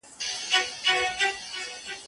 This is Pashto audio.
پټه خوله یمه له ویري چا ته ږغ کولای نه سم